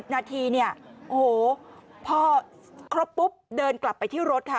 ๓๐นาทีพอครบปุ๊บเดินกลับไปที่รถค่ะ